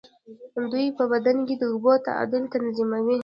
دوی په بدن کې د اوبو تعادل تنظیموي.